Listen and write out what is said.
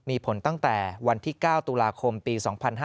มีผลตั้งแต่วันที่๙ตุลาคมปี๒๕๕๙